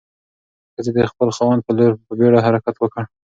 ښځې د خپل خاوند په لور په بیړه حرکت وکړ.